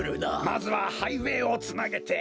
まずはハイウエーをつなげて。